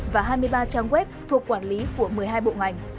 và hai mươi ba trang web thuộc quản lý của một mươi hai bộ ngành